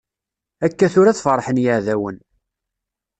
Akka tura ad ferḥen yeɛdawen.